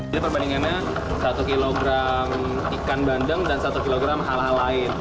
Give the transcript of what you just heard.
jadi perbandingannya satu kg ikan bandeng dan satu kg hal hal lain